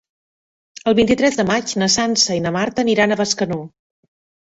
El vint-i-tres de maig na Sança i na Marta aniran a Bescanó.